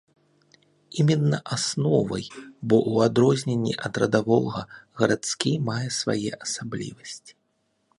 Іменна асновай, бо ў адрозненне ад радавога гарадскі мае свае асаблівасці.